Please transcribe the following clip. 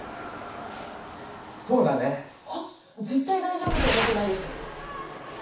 そうだね。は⁉ぜったいだいじょうぶって思ってないでしょ